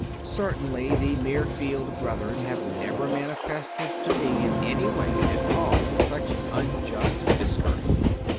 Certainly the Mirfield Brethren have never manifested to me in any way at all such an unjust discourtesy.